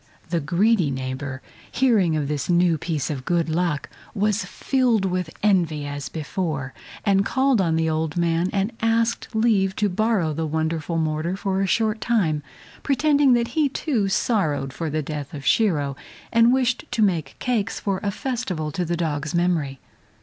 The greedy neighbor, hearing of this new piece of good luck, was filled with envy as before, and called on the old man and asked leave to borrow the wonderful mortar for a short time, pretending that he, too, sorrowed for the death of Shiro, and wished to make cakes for a festival to the dog's memory.